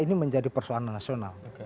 ini menjadi persoalan nasional